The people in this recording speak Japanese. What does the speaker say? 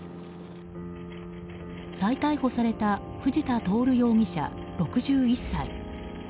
再逮捕された藤田亨容疑者、６１歳。